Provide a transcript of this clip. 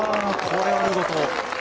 これは見事！